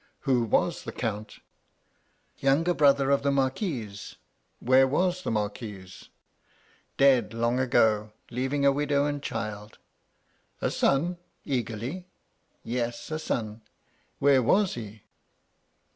Who was the Count? Younger brother of the Marquis. Where was the Marquis ? Dead long ago, leaving a widow and child. A son? (eagerly). Yes, a son. Where was he?